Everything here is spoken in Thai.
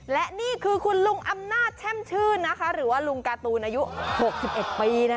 และนี่คือคุณลุงอำนาจแช่มชื่นนะคะหรือว่าลุงการ์ตูนอายุหกสิบเอ็ดปีนะ